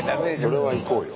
それはいこうよ。